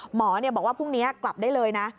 หมอบอกว่าพรุ่งนี้กลับได้เลยนะ